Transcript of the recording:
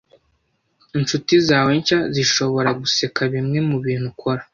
Inshuti zawe nshya zishobora guseka bimwe mubintu ukora.